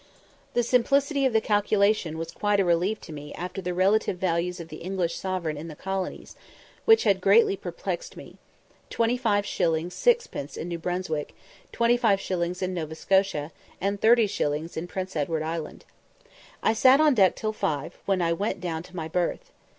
The simplicity of the calculation was quite a relief to me after the relative values of the English sovereign in the colonies, which had greatly perplexed me: 25_s._ 6_d._ in New Brunswick, 25_s._ in Nova Scotia, and 30_s._ in Prince Edward Island. I sat on deck till five, when I went down to my berth.